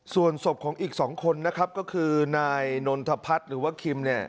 ส่วนศพของอีก๒คนนะครับก็คือนายนนทพัฒน์หรือว่าคิมเนี่ย